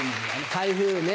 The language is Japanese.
台風ね。